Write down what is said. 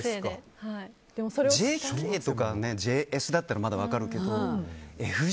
ＪＫとかＪＳだったらまだ分かるけどＦＪＫ。